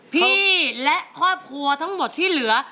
พี่และครอบครัวทั้งหมดที่เหลือ